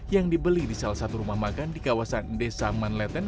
yang dibeli di salah satu rumah makan di kawasan desa manleten